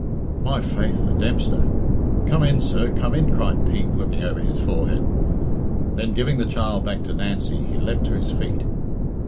"My faith, the Dempster! Come in, sir, come in," cried Pete, looking over his forehead. Then, giving the child back to Nancy, he leapt to his feet.